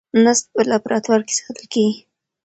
نسج په لابراتوار کې ساتل کېږي.